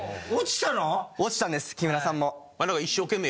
落ちたんです木村さんも。